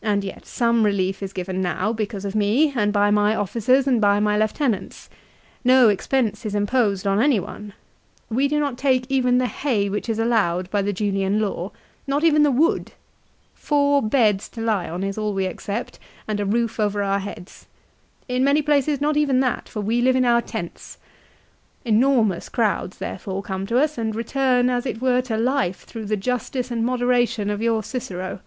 And yet some relief is given now ; because of me, and by my officers, and by my lieutenants. No expense is imposed on any one. We do not take even the hay which is allowed by the Juliau law; not even the wood. Four beds to lie on is all we accept, and a roof over our heads. In many places not even that, for we live in our tents. Enormous crowds therefore come to us, and return as it were to life through the justice and moderation of your Cicero.